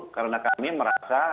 karena kami merasa